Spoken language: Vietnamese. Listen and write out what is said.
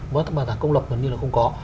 bảo tàng công lập gần như là không có